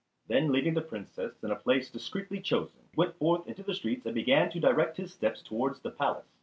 Then leaving the Princess in a place discreetly chosen he went forth into the streets and began to direct his steps towards the palace.